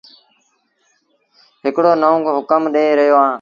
هڪڙو نئونٚ هُڪم ڏي رهيو اهآنٚ